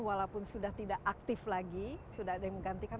walaupun sudah tidak aktif lagi sudah ada yang menggantikan